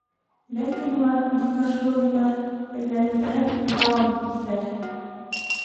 Ләкин улар ныҡыш булдылар, эҙләнеүҙәрен дауам иттеләр.